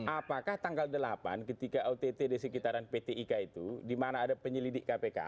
apakah tanggal delapan ketika ott di sekitaran pt ika itu di mana ada penyelidik kpk